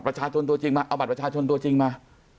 เอาบัตรประชาชนตัวจริงมา